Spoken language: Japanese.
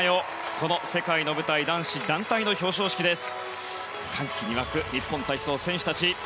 この世界の舞台男子団体の表彰式です。